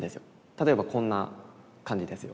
例えばこんな感じですよ。